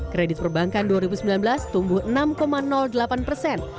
kredit perbankan dua ribu sembilan belas tumbuh enam delapan persen